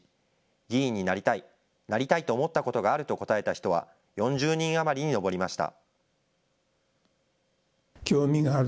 議員になりたい、なりたいと思ったことがあると答えた人は４０人余りに上りました。